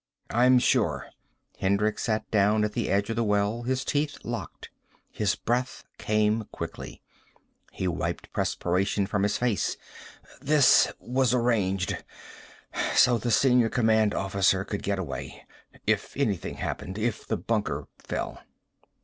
"I'm sure." Hendricks sat down at the edge of the well, his teeth locked. His breath came quickly. He wiped perspiration from his face. "This was arranged so the senior command officer could get away. If anything happened. If the bunker fell."